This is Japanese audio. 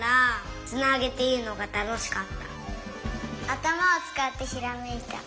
あたまをつかってひらめいた。